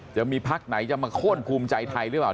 จะมีพักไหนจะมาโค้นภูมิใจไทยหรือเปล่า